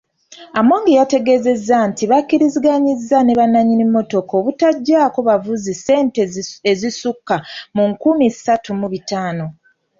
Amongi yategeezezza nti bakkiriziganyizza ne bannanyini mmotoka obutaggyaako bavuzi ssente ezisukka mu nkumi ssatu mu bitaano.